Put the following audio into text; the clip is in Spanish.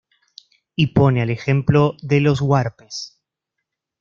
Y pone al ejemplo de los huarpes.